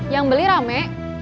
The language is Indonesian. yang beli rame